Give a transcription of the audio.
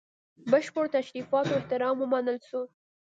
بشپړو تشریفاتو او احترام ومنل سو.